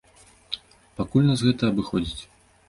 Пакуль нас гэта абыходзіць.